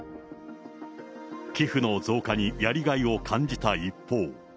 寄付の増加にやりがいを感じた一方。